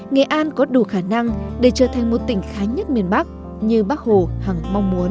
nghệ an có đủ khả năng để trở thành một tỉnh khá nhất miền bắc như bác hồ hẳng mong muốn